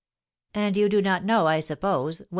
"And you do not know, I suppose, when M.